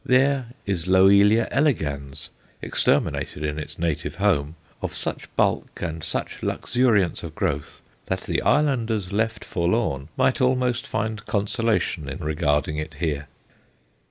There is Loelia elegans, exterminated in its native home, of such bulk and such luxuriance of growth that the islanders left forlorn might almost find consolation in regarding it here.